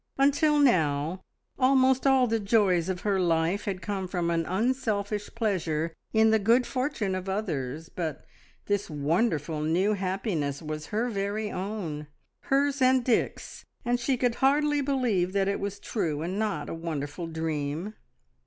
Until now almost all the joys of her life had come from an unselfish pleasure in the good fortune of others, but this wonderful new happiness was her very own, hers and Dick's, and she could hardly believe that it was true, and not a wonderful dream.